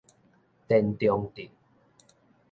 田中鎮